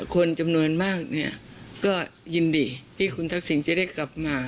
คนจำนวนมากเนี่ยก็ยินดีที่คุณทักษิณจะได้กลับมา